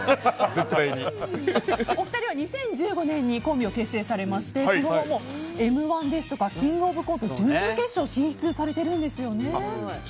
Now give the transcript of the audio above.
お二人は２０１５年にコンビを結成されましてその後も「Ｍ‐１」ですとか「キングオブコント」準々決勝進出されてるんですよね。